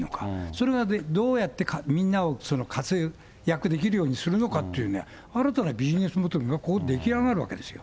それがどうやってみんなを活躍できるようにするのかっていう、新たなビジネスモデルが出来上がるわけですよ。